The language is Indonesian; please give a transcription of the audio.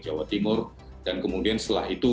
jawa timur dan kemudian setelah itu